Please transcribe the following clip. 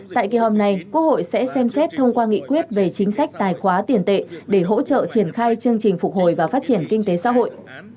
tại kỳ hòm này quốc hội sẽ xem xét thông qua nghị quyết về chính sách tài khoá tiền tệ để hỗ trợ triển khai chương trình phục hồi và phát triển kinh tế xã hội